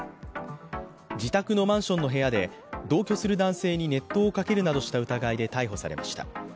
自宅のマンションの部屋で同居する男性に熱湯をかけるなどした疑いで逮捕されました。